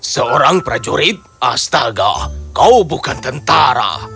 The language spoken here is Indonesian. seorang prajurit astaga kau bukan tentara